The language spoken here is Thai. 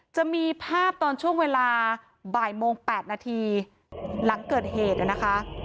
จะมีภาพตอนช่วงเวลาบ่ายโมง๘นาทีหลังเกิดเหตุนะคะ